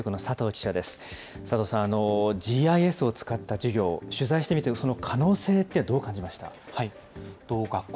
佐藤さん、ＧＩＳを使った授業、取材してみて、その可能性というのはどう感じましたか。